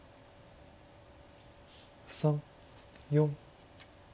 ３４。